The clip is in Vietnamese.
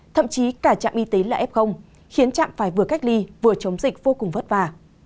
thậm chí cả trạm y tế là f khiến trạm phải vừa cách ly vừa chống dịch vô cùng vất vả